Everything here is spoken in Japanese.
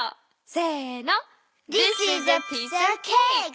せの。